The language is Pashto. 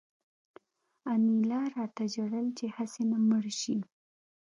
انیلا راته ژړل چې هسې نه مړ شې